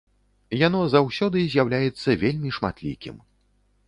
Яно заўсёды з'яўляецца вельмі шматлікім.